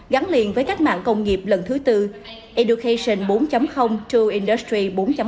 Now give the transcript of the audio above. gắn liền với các mạng công nghiệp lần thứ tư education bốn true industry bốn